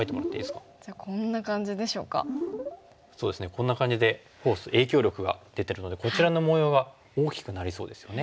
こんな感じでフォース影響力が出てるのでこちらの模様が大きくなりそうですよね。